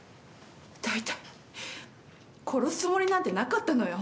大体殺すつもりなんてなかったのよ。